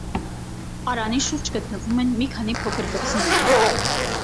Արանի շուրջ գտնվում են մի քանի փոքր կղզիներ։